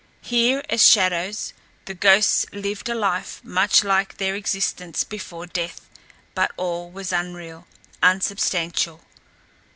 Here, as shadows, the ghosts lived a life much like their existence before death, but all was unreal unsubstantial.